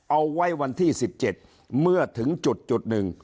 เอาไว้วันที่๑๗เมื่อถึงจุดหนึ่ง